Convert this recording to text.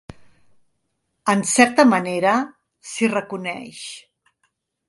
En certa manera, s'hi reconeix.